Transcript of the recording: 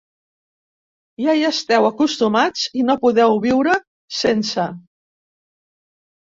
Ja hi esteu acostumats i no podeu viure sense.